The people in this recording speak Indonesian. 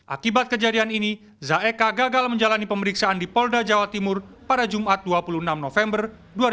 akibat kejadian ini zaeka gagal menjalani pemeriksaan di polda jawa timur pada jumat dua puluh enam november dua ribu dua puluh